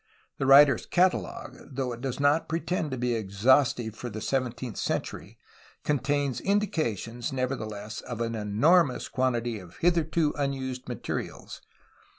The writer's Catalogue, though it does not pretend to be exhaustive for the seventeenth century, contains indi cations, nevertheless, of an enormous quantitv of hitherto unused materials.